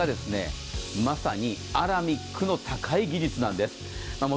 これが、まさにアラミックの高い技術なんです。